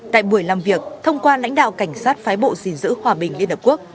tại buổi làm việc thông qua lãnh đạo cảnh sát phái bộ dình giữ hòa bình liên hợp quốc